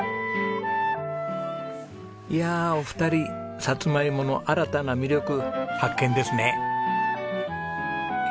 いやお二人サツマイモの新たな魅力発見ですね。